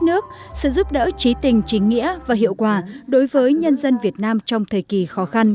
nước sự giúp đỡ trí tình trí nghĩa và hiệu quả đối với nhân dân việt nam trong thời kỳ khó khăn